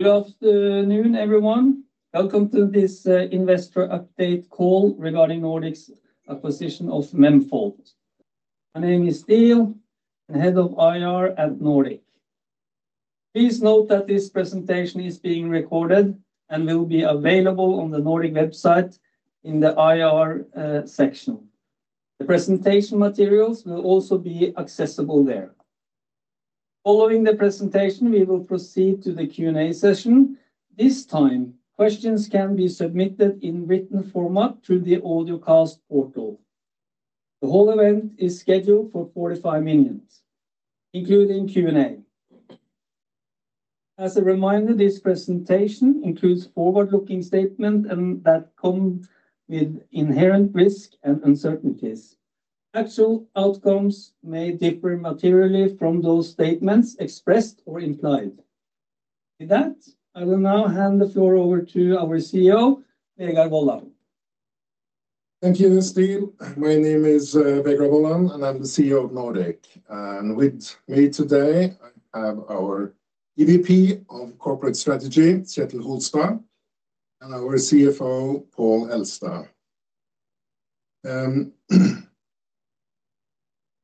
Good afternoon, everyone. Welcome to this investor update call regarding Nordic's acquisition of Memfault. My name is Ståle, and Head of IR at Nordic. Please note that this presentation is being recorded and will be available on the Nordic website in the IR section. The presentation materials will also be accessible there. Following the presentation, we will proceed to the Q&A session. This time, questions can be submitted in written format through the AudioCast portal. The whole event is scheduled for 45 minutes, including Q&A. As a reminder, this presentation includes forward-looking statements that come with inherent risks and uncertainties. Actual outcomes may differ materially from those statements expressed or implied. With that, I will now hand the floor over to our CEO, Vegard Wollan. Thank you, Ståle. My name is Vegard Wollan, and I'm the CEO of Nordic. And with me today, I have our EVP of Corporate Strategy, Kjetil Holstad, and our CFO, Pål Elstad.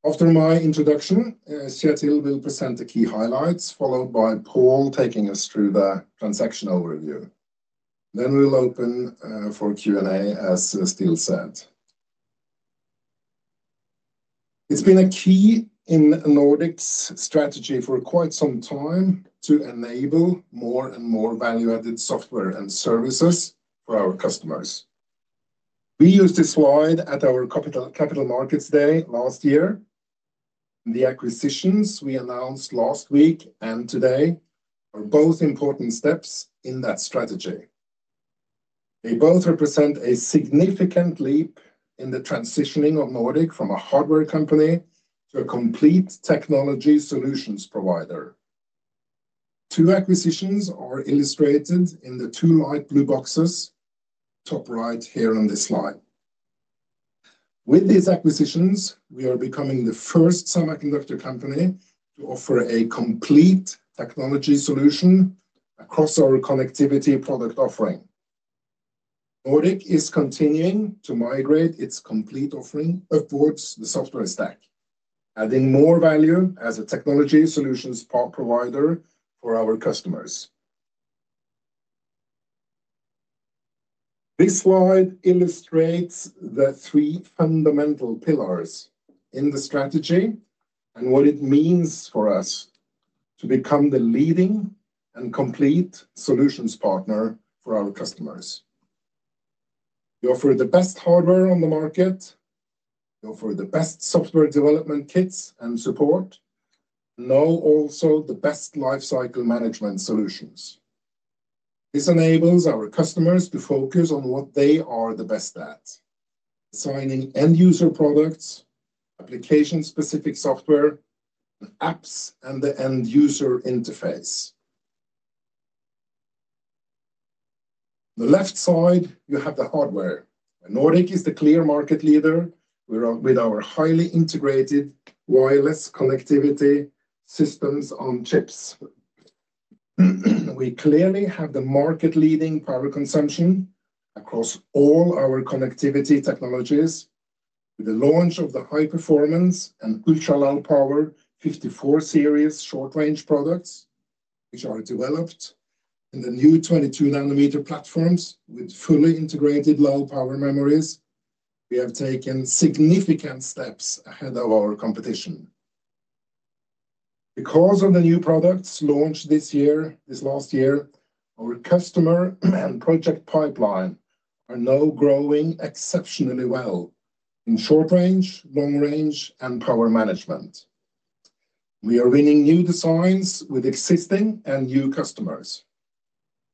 After my introduction, Kjetil will present the key highlights, followed by Pål taking us through the transactional review. Then we'll open for Q&A, as Ståle said. It's been a key in Nordic's strategy for quite some time to enable more and more Value-added software and services for our customers. We used this slide at our Capital Markets Day last year. The acquisitions we announced last week and today are both important steps in that strategy. They both represent a significant leap in the transitioning of Nordic from a hardware company to a complete technology solutions provider. Two acquisitions are illustrated in the two light blue boxes top right here on this slide. With these acquisitions, we are becoming the first semiconductor company to offer a complete technology solution across our connectivity product offering. Nordic is continuing to migrate its complete offering towards the software stack, adding more value as a technology solutions provider for our customers. This slide illustrates the three fundamental pillars in the strategy and what it means for us to become the leading and complete solutions partner for our customers. We offer the best hardware on the market. We offer the best software development kits and support, and now also the best lifecycle management solutions. This enables our customers to focus on what they are the best at: designing end-user products, application-specific software, and apps and the end-user interface. On the left side, you have the hardware. Nordic is the clear market leader with our highly integrated wireless connectivity systems on chips. We clearly have the market-leading power consumption across all our connectivity technologies with the launch of the high-performance and ultra-low-power 54-series short-range products, which are developed in the new 22-nanometer platforms with fully integrated low-power memories. We have taken significant steps ahead of our competition. Because of the new products launched this year, this last year, our customer and project pipeline are now growing exceptionally well in short-range, long-range, and power management. We are winning new designs with existing and new customers.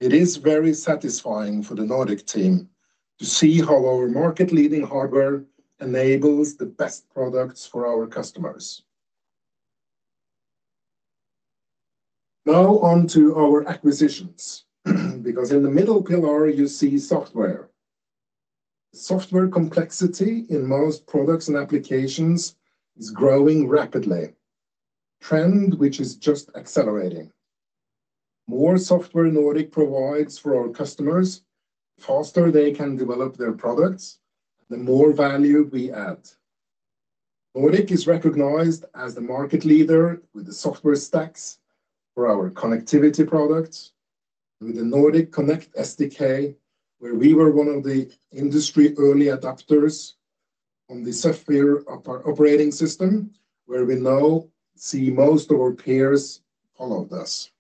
It is very satisfying for the Nordic team to see how our market-leading hardware enables the best products for our customers. Now on to our acquisitions, because in the middle pillar, you see software. Software complexity in most products and applications is growing rapidly, a trend which is just accelerating. The more software Nordic provides for our customers, the faster they can develop their products, the more value we add. Nordic is recognized as the market leader with the software stacks for our connectivity products, with the nRF Connect SDK, where we were one of the industry early adopters on the software operating system, where we now see most of our peers followed us.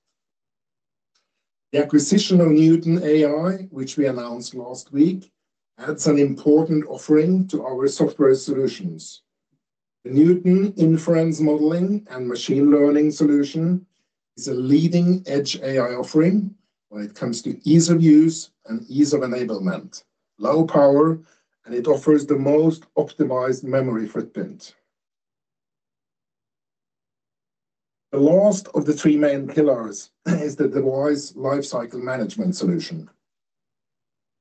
The acquisition of Neuton.AI, which we announced last week, adds an important offering to our software solutions. The Neuton Inference Modeling and Machine Learning Solution is a leading-edge AI offering when it comes to ease of use and ease of enablement, low power, and it offers the most optimized memory footprint. The last of the three main pillars is the device lifecycle management solution.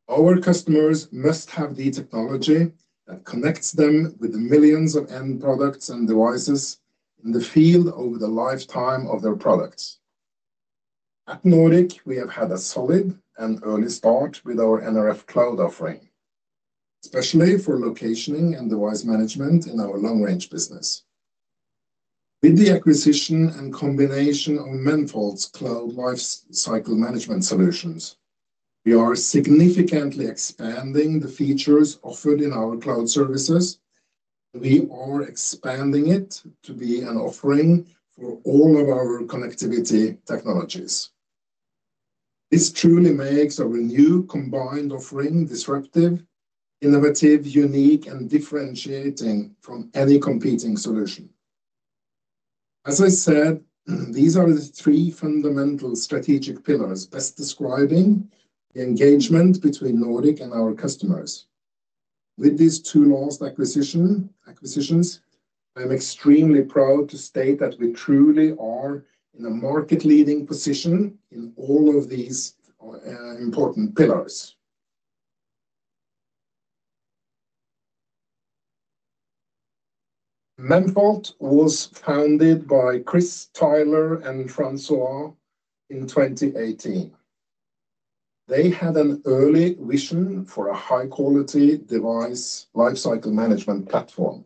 Our customers must have the technology that connects them with the millions of end products and devices in the field over the lifetime of their products. At Nordic, we have had a solid and early start with our nRF Cloud offering, especially for locationing and device management in our long-range business. With the acquisition and combination of Memfault's cloud lifecycle management solutions, we are significantly expanding the features offered in our cloud services, and we are expanding it to be an offering for all of our connectivity technologies. This truly makes our new combined offering disruptive, innovative, unique, and differentiating from any competing solution. As I said, these are the three fundamental strategic pillars best describing the engagement between Nordic and our customers. With these two last acquisitions, I'm extremely proud to state that we truly are in a market-leading position in all of these important pillars. Memfault was founded by Chris, Tyler, and François in 2018. They had an early vision for a high-quality device lifecycle management platform.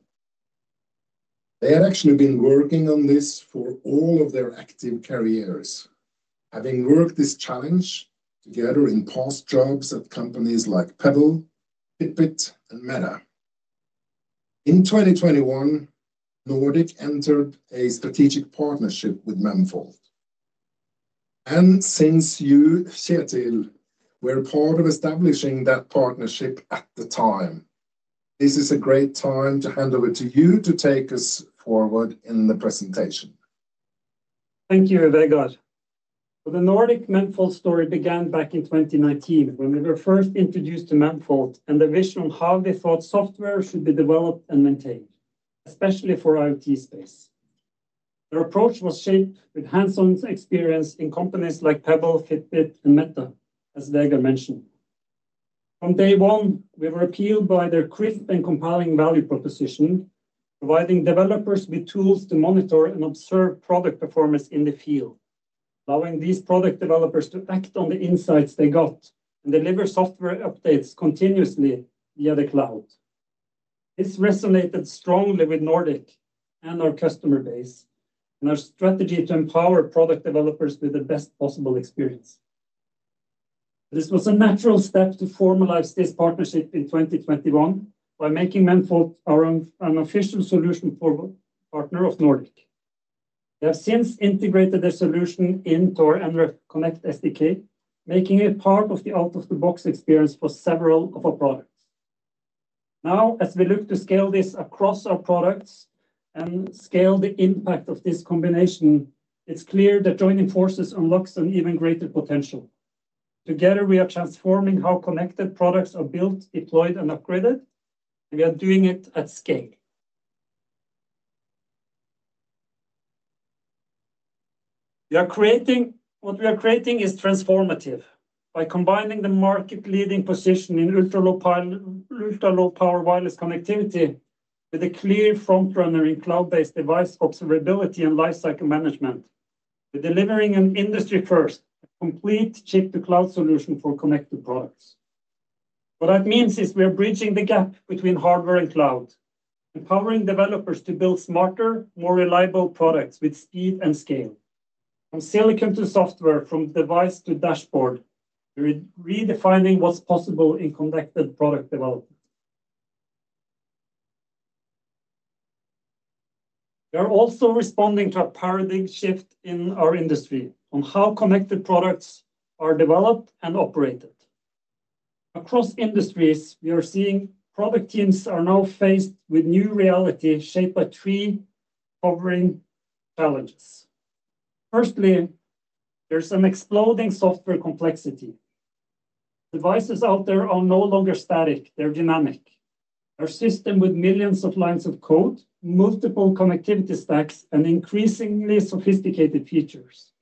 They had actually been working on this for all of their active careers, having worked this challenge together in past jobs at companies like Pebble, Fitbit, and Meta. In 2021, Nordic entered a strategic partnership with Memfault. Since you, Kjetil, were part of establishing that partnership at the time, this is a great time to hand over to you to take us forward in the presentation. Thank you, Vegard. The Nordic Memfault story began back in 2019 when we were first introduced to Memfault and the vision on how they thought software should be developed and maintained, especially for IoT space. Their approach was shaped with hands-on experience in companies like Pebble, Fitbit, and Meta, as Vegard mentioned. From day one, we were appealed by their crisp and compelling value proposition, providing developers with tools to monitor and observe product performance in the field, allowing these product developers to act on the insights they got and deliver software updates continuously via the cloud. This resonated strongly with Nordic and our customer base and our strategy to empower product developers with the best possible experience. This was a natural step to formalize this partnership in 2021 by making Memfault our official solution partner of Nordic. They have since integrated their solution into our nRF Connect SDK, making it part of the out-of-the-box experience for several of our products. Now, as we look to scale this across our products and scale the impact of this combination, it's clear that joining forces unlocks an even greater potential. Together, we are transforming how connected products are built, deployed, and upgraded, and we are doing it at scale. What we are creating is transformative by combining the market-leading position in ultra-low-power wireless connectivity with a clear frontrunner in cloud-based device observability and lifecycle management, delivering an industry-first, complete chip-to-cloud solution for connected products. What that means is we are bridging the gap between hardware and cloud, empowering developers to build smarter, more reliable products with speed and scale. From silicon to software, from device to dashboard, we're redefining what's possible in connected product development. We are also responding to a paradigm shift in our industry on how connected products are developed and operated. Across industries, we are seeing product teams are now faced with new reality shaped by three covering challenges. Firstly, there's an exploding software complexity. Devices out there are no longer static, they're dynamic. Our system has millions of lines of code, multiple connectivity stacks, and increasingly sophisticated features.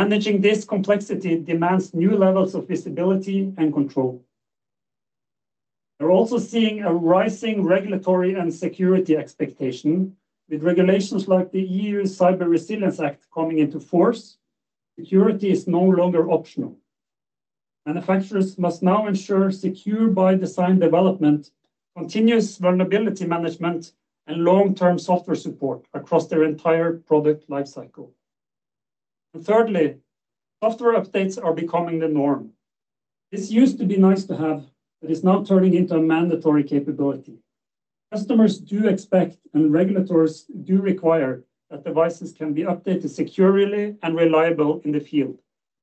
Managing this complexity demands new levels of visibility and control. We're also seeing a rising regulatory and security expectation. With regulations like the EU Cyber Resilience Act coming into force, security is no longer optional. Manufacturers must now ensure secure-by-design development, continuous vulnerability management, and long-term software support across their entire product lifecycle. Thirdly, software updates are becoming the norm. This used to be nice to have, but it's now turning into a mandatory capability. Customers do expect, and regulators do require that devices can be updated securely and reliably in the field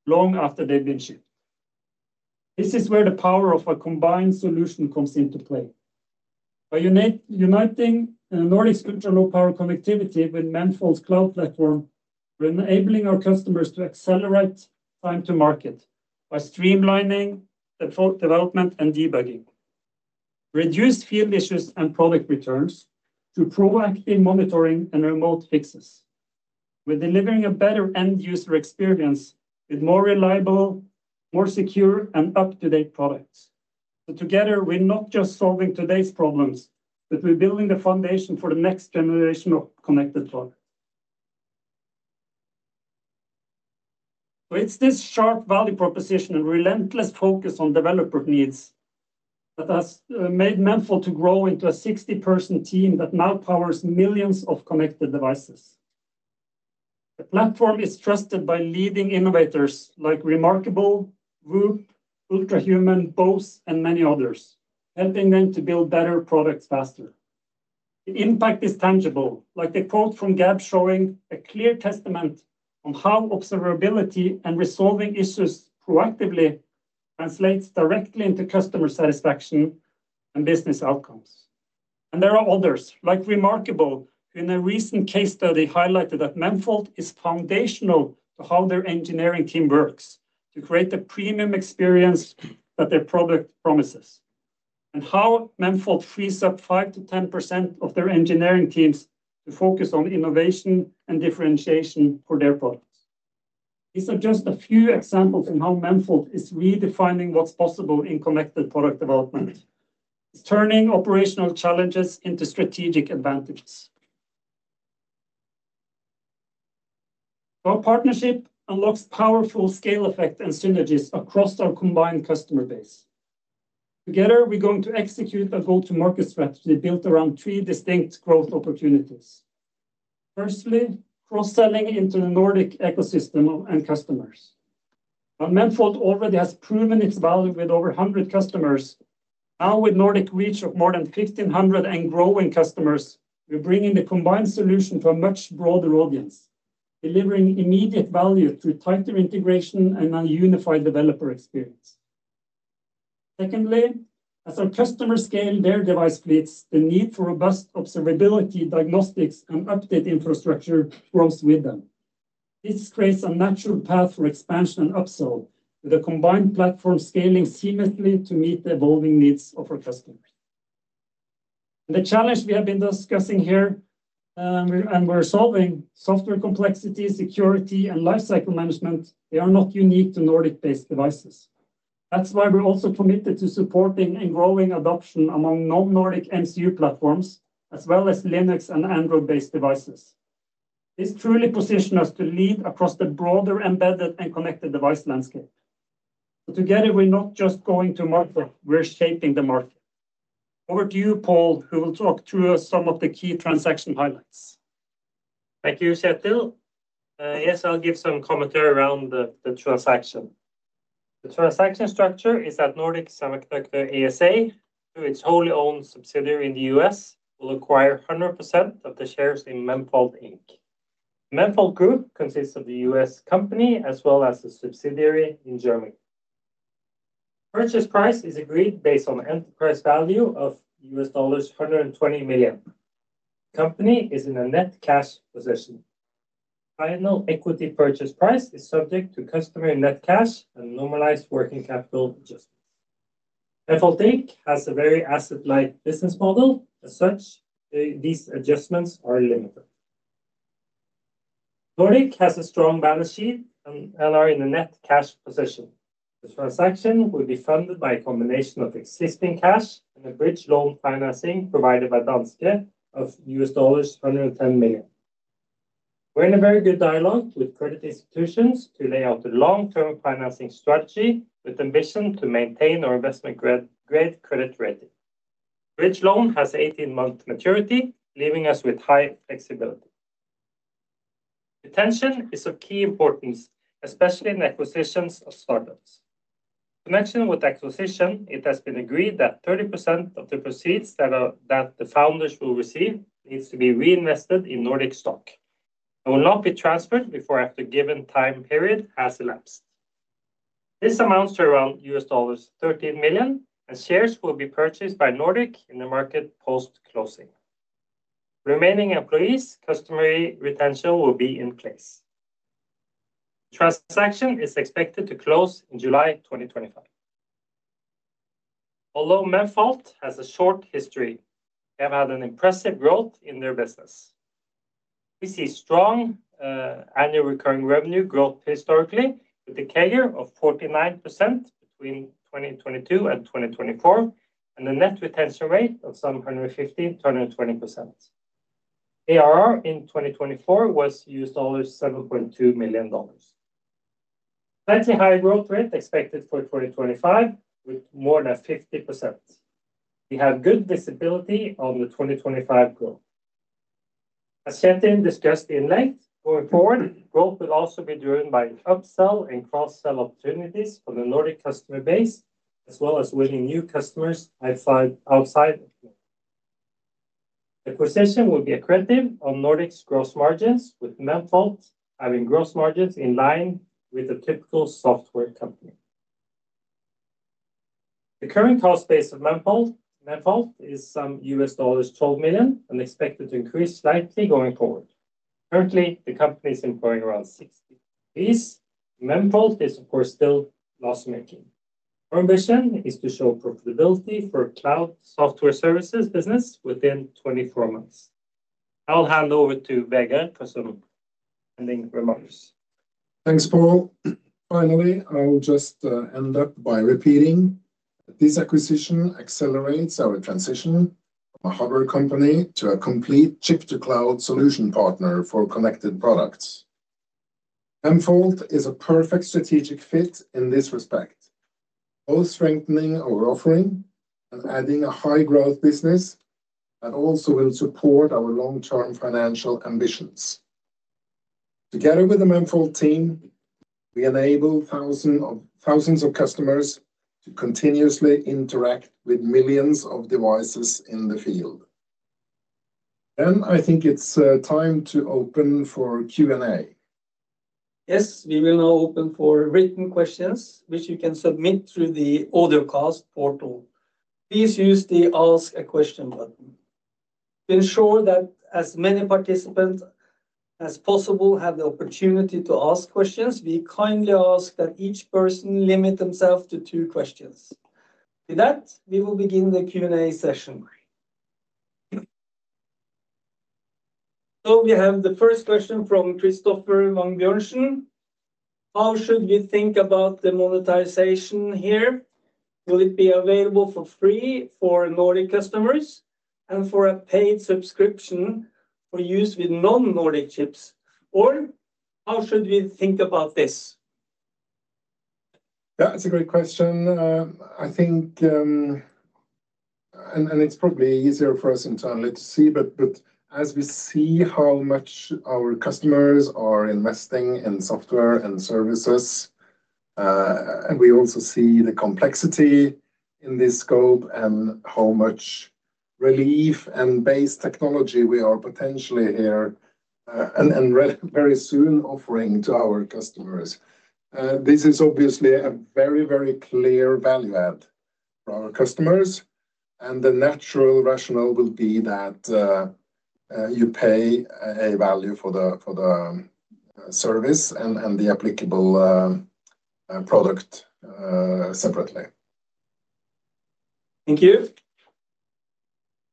long after they've been shipped. This is where the power of a combined solution comes into play. By uniting Nordic's ultra-low-power connectivity with Memfault's cloud platform, we're enabling our customers to accelerate time to market by streamlining the development and debugging, reducing field issues and product returns through proactive monitoring and remote fixes. We're delivering a better end-user experience with more reliable, more secure, and up-to-date products. Together, we're not just solving today's problems, but we're building the foundation for the next generation of connected products. It's this sharp value proposition and relentless focus on developer needs that has made Memfault grow into a 60 person team that now powers millions of connected devices. The platform is trusted by leading innovators like reMarkable, WHOOP, Ultrahuman, Bose, and many others, helping them to build better products faster. The impact is tangible, like the quote from Gab showing a clear testament on how observability and resolving issues proactively translates directly into customer satisfaction and business outcomes. There are others like reMarkable, who in a recent case study highlighted that Memfault is foundational to how their engineering team works to create the premium experience that their product promises, and how Memfault frees up 5%-10% of their engineering teams to focus on innovation and differentiation for their products. These are just a few examples of how Memfault is redefining what's possible in connected product development. It is turning operational challenges into strategic advantages. Our partnership unlocks powerful scale effect and synergies across our combined customer base. Together, we're going to execute a go-to-market strategy built around three distinct growth opportunities. Firstly, cross-selling into the Nordic ecosystem and customers. While Memfault already has proven its value with over 100 customers, now with Nordic reach of more than 1,500 and growing customers, we're bringing the combined solution for a much broader audience, delivering immediate value through tighter integration and a unified developer experience. Secondly, as our customers scale their device fleets, the need for robust observability, diagnostics, and update infrastructure grows with them. This creates a natural path for expansion and upsell with a combined platform scaling seamlessly to meet the evolving needs of our customers. The challenge we have been discussing here and we're solving, software complexity, security, and lifecycle management, they are not unique to Nordic-based devices. That's why we're also committed to supporting and growing adoption among non-Nordic MCU platforms, as well as Linux and Android-based devices. This truly positions us to lead across the broader embedded and connected device landscape. Together, we're not just going to market; we're shaping the market. Over to you, Pål, who will talk through some of the key transaction highlights. Thank you, Kjetil. Yes, I'll give some commentary around the transaction. The transaction structure is that Nordic Semiconductor ASA, through its wholly owned subsidiary in the U.S., will acquire 100% of the shares in Memfault Inc. Memfault Group consists of the U.S. company as well as a subsidiary in Germany. Purchase price is agreed based on enterprise value of $120 million. The company is in a net cash position. Final equity purchase price is subject to customer net cash and normalized working capital adjustments. Memfault Inc has a very asset-light business model, as such these adjustments are limited. Nordic has a strong balance sheet and are in a net cash position. The transaction will be funded by a combination of existing cash and a bridge loan financing provided by Danske of $110 million. We're in a very good dialogue with credit institutions to lay out a long-term financing strategy with the ambition to maintain our investment grade credit rating. Bridge loan has 18-month maturity, leaving us with high flexibility. Retention is of key importance, especially in acquisitions of startups. To mention with acquisition, it has been agreed that 30% of the proceeds that the founders will receive needs to be reinvested in Nordic stock and will not be transferred before after a given time period has elapsed. This amounts to around $13 million, and shares will be purchased by Nordic in the market post-closing. Remaining employees, customer retention will be in place. The transaction is expected to close in July 2025. Although Memfault has a short history, they have had an impressive growth in their business. We see strong annual recurring revenue growth historically with a CAGR of 49% between 2022 and 2024 and a net retention rate of some 150%-120%. ARR in 2024 was $7.2 million. Slightly higher growth rate expected for 2025 with more than 50%. We have good visibility on the 2025 growth. As Kjetil discussed in length going forward, growth will also be driven by upsell and cross-sell opportunities for the Nordic customer base, as well as winning new customers outside of Nordic. The acquisition will be accretive on Nordic's gross margins, with Memfault having gross margins in line with a typical software company. The current cost base of Memfault is some $12 million and expected to increase slightly going forward. Currently, the company is employing around 60 employees. Memfault is, of course, still loss-making. Our ambition is to show profitability for cloud software services business within 24 months. I'll hand over to Vegard for some ending remarks. Thanks, Pål. Finally, I'll just end up by repeating that this acquisition accelerates our transition from a hardware company to a complete chip-to-cloud solution partner for connected products. Memfault is a perfect strategic fit in this respect, both strengthening our offering and adding a high-growth business that also will support our long-term financial ambitions. Together with the Memfault team, we enable thousands of customers to continuously interact with millions of devices in the field. I think it's time to open for Q&A. Yes, we will now open for written questions, which you can submit through the AudioCast portal. Please use the "Ask a Question" button. To ensure that as many participants as possible have the opportunity to ask questions, we kindly ask that each person limit themselves to two questions. With that, we will begin the Q&A session. We have the first question from Christopher von Bjørnsen. How should we think about the monetization here? Will it be available for free for Nordic customers and for a paid subscription for use with non-Nordic chips, or how should we think about this? Yeah, that's a great question. I think, and it's probably easier for us internally to see, but as we see how much our customers are investing in software and services, and we also see the complexity in this scope and how much relief and base technology we are potentially here and very soon offering to our customers. This is obviously a very, very clear value add for our customers, and the natural rationale will be that you pay a value for the service and the applicable product separately. Thank you.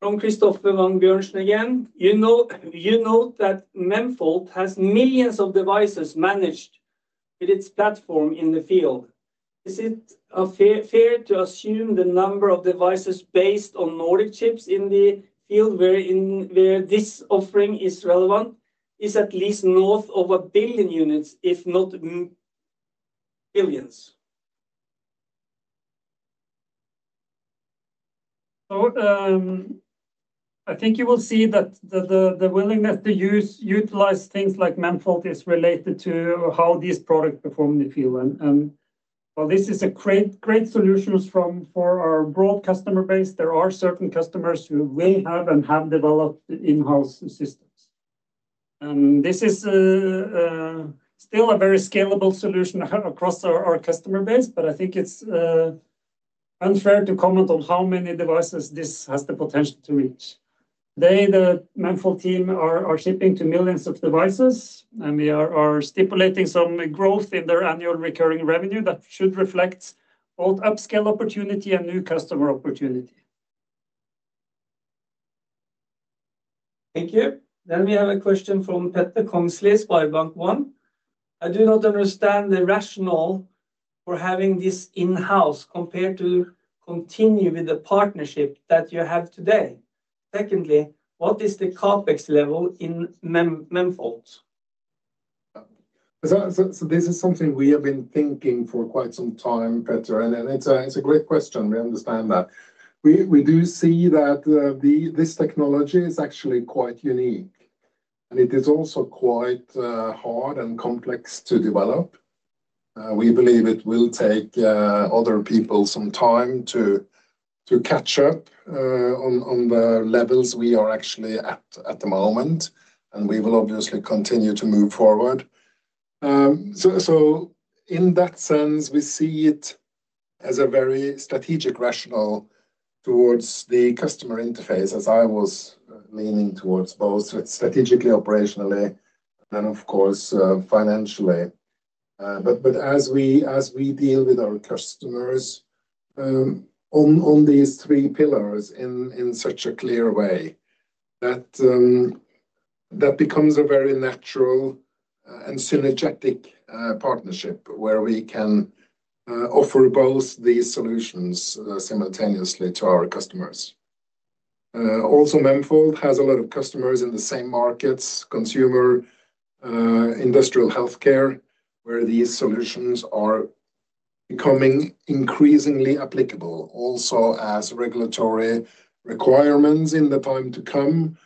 From Christopher von Bjørnsen again, you note that Memfault has millions of devices managed with its platform in the field. Is it fair to assume the number of devices based on Nordic chips in the field where this offering is relevant is at least north of a billion units, if not billions? I think you will see that the willingness to utilize things like Memfault is related to how these products perform in the field. While this is a great solution for our broad customer base, there are certain customers who will have and have developed in-house systems. This is still a very scalable solution across our customer base, but I think it's unfair to comment on how many devices this has the potential to reach. Today, the Memfault team are shipping to millions of devices, and we are stipulating some growth in their annual recurring revenue that should reflect both upscale opportunity and new customer opportunity. Thank you. I have a question from Petter Kongslie at SpareBank 1. I do not understand the rationale for having this in-house compared to continuing with the partnership that you have today. Secondly, what is the CapEx level in Memfault? This is something we have been thinking for quite some time, Petter, and it's a great question. We understand that. We do see that this technology is actually quite unique, and it is also quite hard and complex to develop. We believe it will take other people some time to catch up on the levels we are actually at at the moment, and we will obviously continue to move forward. In that sense, we see it as a very strategic rationale towards the customer interface, as I was leaning towards both strategically, operationally, and then, of course, financially. As we deal with our customers on these three pillars in such a clear way, that becomes a very natural and synergetic partnership where we can offer both these solutions simultaneously to our customers. Also, Memfault has a lot of customers in the same markets, consumer, industrial, healthcare, where these solutions are becoming increasingly applicable. Also, as regulatory requirements in the time to come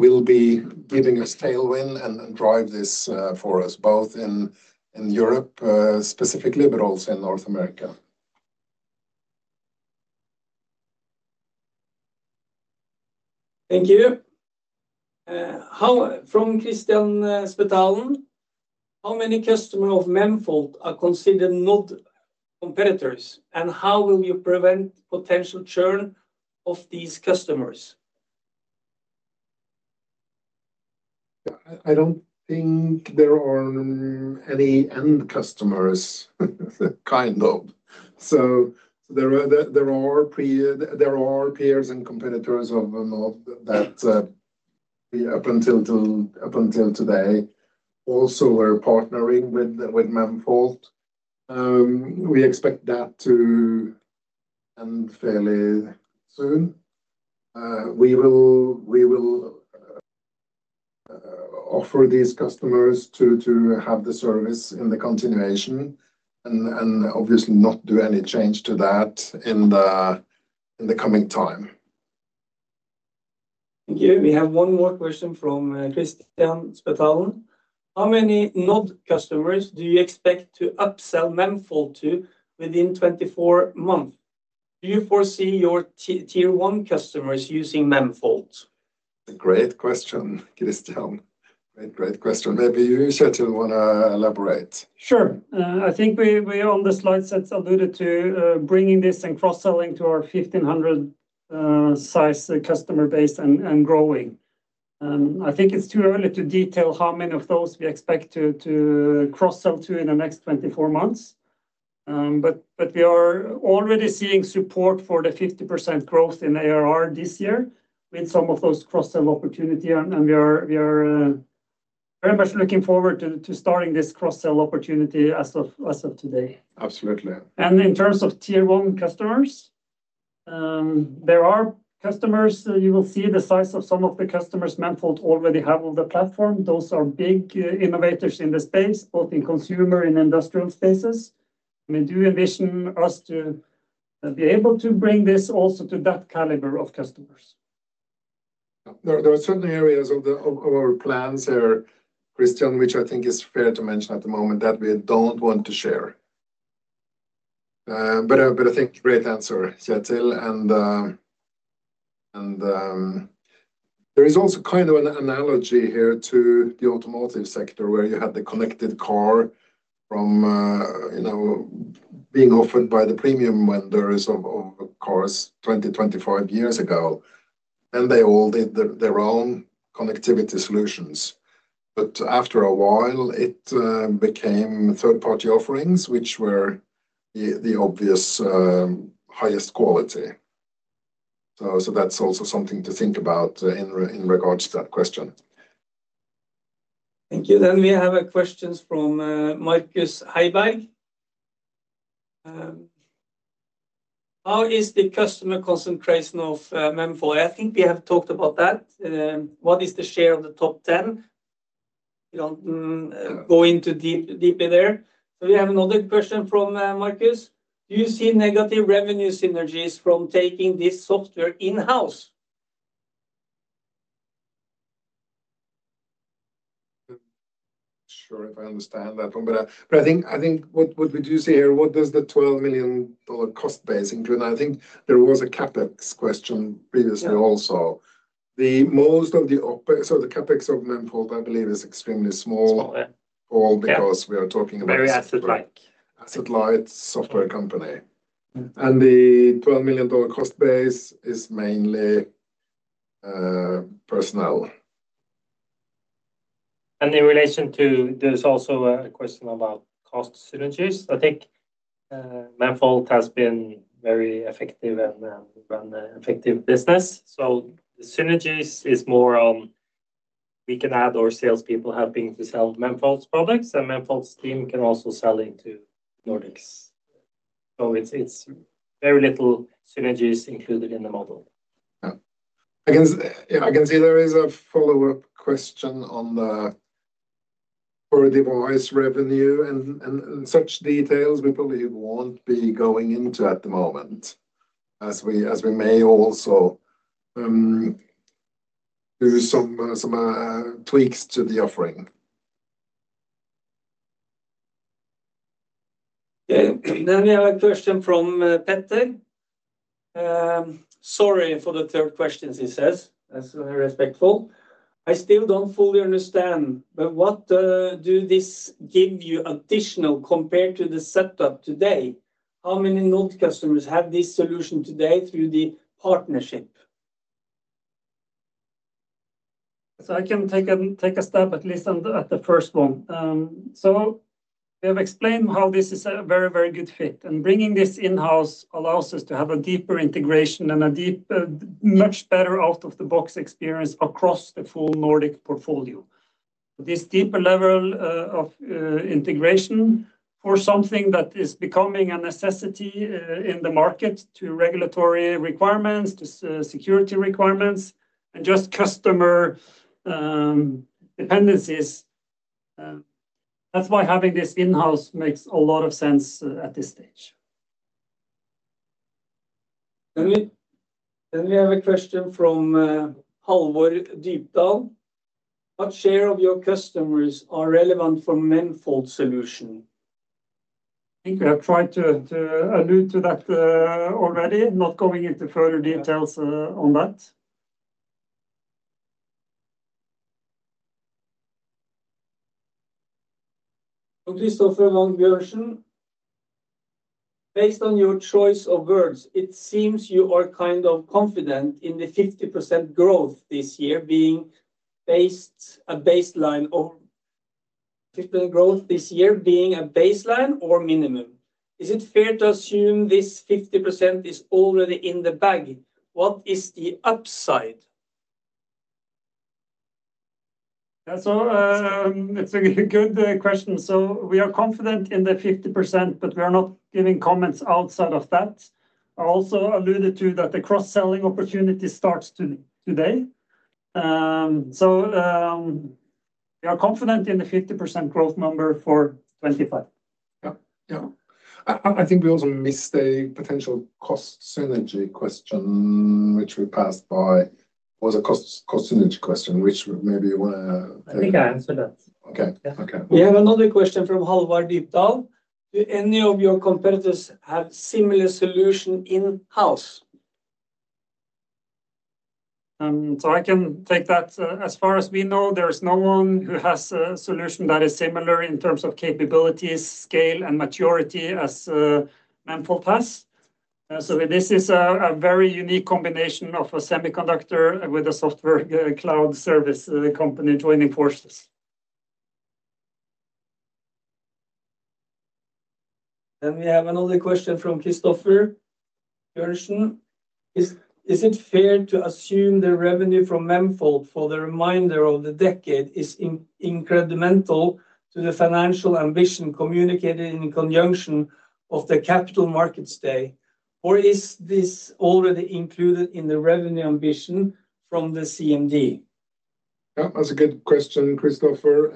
will be giving us tailwind and drive this for us, both in Europe specifically, but also in North America. Thank you. From Øysetin Spetalen, how many customers of Memfault are considered not competitors, and how will you prevent potential churn of these customers? I don't think there are any end customers, kind of. There are peers and competitors of Memfault that up until today also were partnering with Memfault. We expect that to end fairly soon. We will offer these customers to have the service in the continuation and obviously not do any change to that in the coming time. Thank you. We have one more question from Øysetin Spetalen. How many non-customers do you expect to upsell Memfault to within 24 months? Do you foresee your tier one customers using Memfault? Great question, Øysetin. Great, great question. Maybe you, Kjetil, want to elaborate? Sure. I think we are on the slides that alluded to bringing this and cross-selling to our 1,500-sized customer base and growing. I think it's too early to detail how many of those we expect to cross-sell to in the next 24 months. We are already seeing support for the 50% growth in ARR this year with some of those cross-sell opportunities, and we are very much looking forward to starting this cross-sell opportunity as of today. Absolutely. In terms of tier one customers, there are customers you will see the size of some of the customers Memfault already have on the platform. Those are big innovators in the space, both in consumer and industrial spaces. We do envision us to be able to bring this also to that caliber of customers. There are certainly areas of our plans here, Øysetin, which I think is fair to mention at the moment that we do not want to share. I think great answer, Kjetil. There is also kind of an analogy here to the automotive sector where you had the connected car from being offered by the premium vendors of cars 20-25 years ago, and they all did their own connectivity solutions. After a while, it became third-party offerings, which were the obvious highest quality. That is also something to think about in regards to that question. Thank you. Then we have a question from Markus Heiberg. How is the customer concentration of Memfault? I think we have talked about that. What is the share of the top 10? We do not go into deeper there. We have another question from Markus. Do you see negative revenue synergies from taking this software in-house? I'm not sure if I understand that one, but I think what we do see here, what does the $12 million cost base include? I think there was a CapEx question previously also. The CapEx of Memfault, I believe, is extremely small. Small, yeah. All because we are talking about. Very asset-like. Asset-light software company. The $12 million cost base is mainly personnel. In relation to, there's also a question about cost synergies. I think Memfault has been a very effective and effective business. The synergies are more on we can add our salespeople helping to sell Memfault's products, and Memfault's team can also sell into Nordic's. It is very little synergies included in the model. I can see there is a follow-up question on the per-device revenue and such details we probably won't be going into at the moment, as we may also do some tweaks to the offering. We have a question from Petter. Sorry for the third question, he says, as respectful. I still do not fully understand, but what does this give you additionally compared to the setup today? How many non-customers have this solution today through the partnership? I can take a step, at least at the first one. We have explained how this is a very, very good fit. Bringing this in-house allows us to have a deeper integration and a much better out-of-the-box experience across the full Nordic portfolio. This deeper level of integration for something that is becoming a necessity in the market due to regulatory requirements, to security requirements, and just customer dependencies. That is why having this in-house makes a lot of sense at this stage. We have a question from Halvor Dybdal. What share of your customers are relevant for Memfault's solution? I think we have tried to allude to that already, not going into further details on that. From Christopher von Bjørnsen. Based on your choice of words, it seems you are kind of confident in the 50% growth this year being a baseline or minimum. Is it fair to assume this 50% is already in the bag? What is the upside? Yeah, so it's a good question. We are confident in the 50%, but we are not giving comments outside of that. I also alluded to that the cross-selling opportunity starts today. We are confident in the 50% growth number for 2025. Yeah, yeah. I think we also missed a potential cost synergy question, which we passed by. Was a cost synergy question, which maybe you want to. I think I answered that. Okay. Yeah. We have another question from Halvor Dybdal. Do any of your competitors have a similar solution in-house? I can take that. As far as we know, there is no one who has a solution that is similar in terms of capabilities, scale, and maturity as Memfault has. This is a very unique combination of a semiconductor with a software cloud service company joining forces. We have another question from Christopher von Bjørnsen. Is it fair to assume the revenue from Memfault for the remainder of the decade is incremental to the financial ambition communicated in conjunction of the capital markets day? Or is this already included in the revenue ambition from the CMD? That's a good question, Christopher.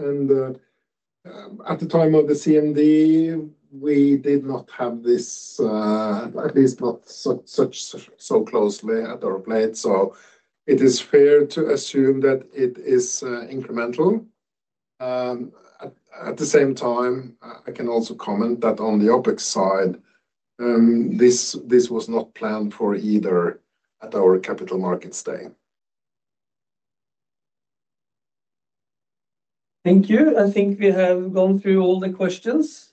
At the time of the CMD, we did not have this, at least not so closely at our plate. It is fair to assume that it is incremental. At the same time, I can also comment that on the OpEx side, this was not planned for either at our capital markets day. Thank you. I think we have gone through all the questions.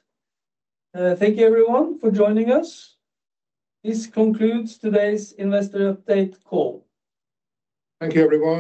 Thank you, everyone, for joining us. This concludes today's investor update call. Thank you, everyone.